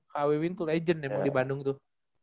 kawi wintu legend emang di bandung tuh